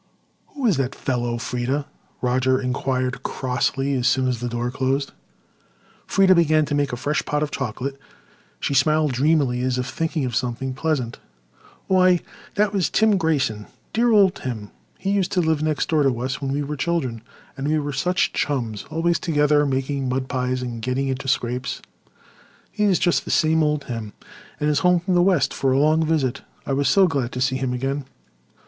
"Who is that fellow, Freda?" Roger inquired crossly, as soon as the door closed. Freda began to make a fresh pot of chocolate. She smiled dreamily as if thinking of something pleasant. "Why, that was Tim Grayson—dear old Tim. He used to live next door to us when we were children. And we were such chums—always together, making mud pies, and getting into scrapes. He is just the same old Tim, and is home from the west for a long visit. I was so glad to see him again."